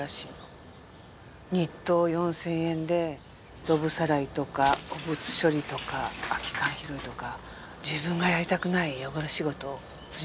日当４０００円でドブさらいとか汚物処理とか空き缶拾いとか自分がやりたくない汚れ仕事を辻本さんに振ってた。